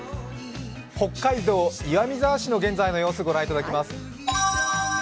北海道岩見沢市の現在の様子を御覧いただきます。